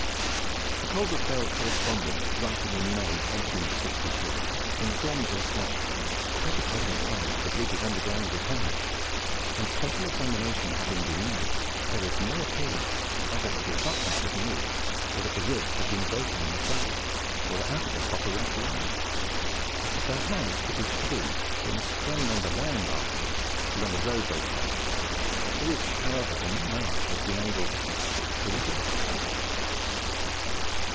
A Coalbrookdale correspondent, writing in May, 1862, informs us that "at the present time the bridge is undergoing repair; and, special examination having been made, there is no appearance either that the abutments have moved, or that the ribs have been broken in the centre or are out of their proper right line. There has, it is true, been a strain on the land arches, and on the roadway plates, which, however, the main arch has been able effectually to resist."